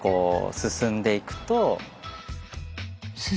進んでいくと？